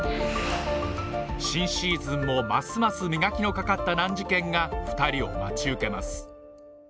新シーズンもますます磨きのかかった難事件が２人を待ち受けます